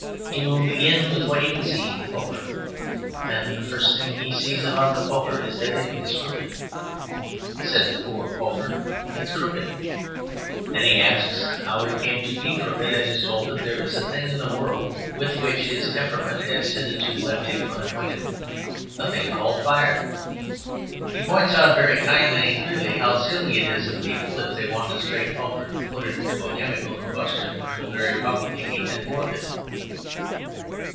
He will begin with what he can see, the poker; and the first thing he sees about the poker is that it is crooked. He says, "Poor poker; it's crooked." Then he asks how it came to be crooked; and is told that there is a thing in the world (with which his temperament has hitherto left him unacquainted) a thing called fire. He points out, very kindly and clearly, how silly it is of people, if they want a straight poker, to put it into a chemical combustion which will very probably heat and warp it.